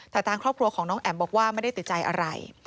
แต่ทางครอบครัวของน้องแอ๋มบอกว่าไม่ได้ติดใจอะไร